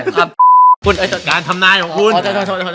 จดการราชาขอโทษ